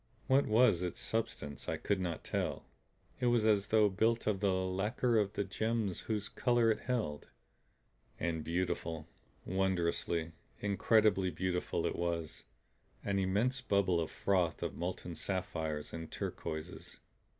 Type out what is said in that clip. What was its substance I could not tell. It was as though built of the lacquer of the gems whose colors it held. And beautiful, wondrously, incredibly beautiful it was an immense bubble of froth of molten sapphires and turquoises.